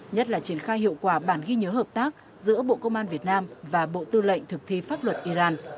nhất là triển khai hiệu quả bản ghi nhớ hợp tác giữa bộ công an việt nam và bộ tư lệnh thực thi pháp luật iran